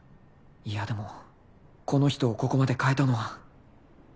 いやでもこの人をここまで変えたのは